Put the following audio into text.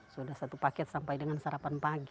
sudah satu paket sampai dengan sarapan pagi